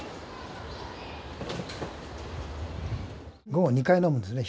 午後２回飲むんですね